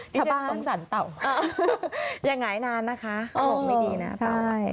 ชาวบ้านตรงสรรเต่าอย่างหงายนานนะคะอ๋อไม่ดีน่ะใช่